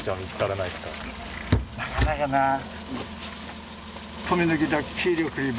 なかなかなあ。